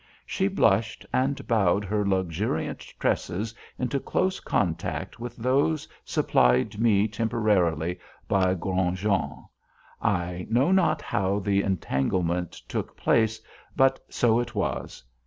She blushed and bowed her luxuriant tresses into close contact with those supplied me temporarily by Grandjean. I know not how the entanglement took place but so it was.